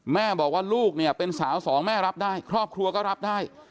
แม่บอกว่าลูกเนี่ยเป็นสาวสองแม่รับได้ครอบครัวก็รับได้